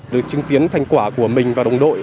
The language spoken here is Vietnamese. được chứng kiến thành quả của mình và đồng đội